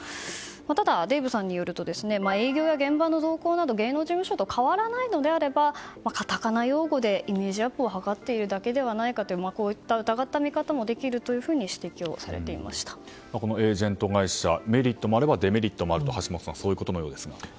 ただ、デーブさんによると営業や現場の動向など芸能事務所が変わらないのであればカタカナ用語でイメージアップを図っているだけではないかとこういった疑った見方もできるとこのエージェント会社メリットもあればデメリットもあるということのようですね。